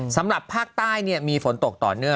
สำหรับภาคใต้มีฝนตกต่อเนื่อง